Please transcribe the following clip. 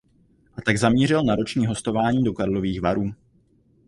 A tak zamířil na roční hostování do Karlových Varů.